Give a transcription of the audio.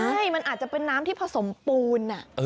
ใช่มันอาจจะเป็นน้ำที่ผสมปูน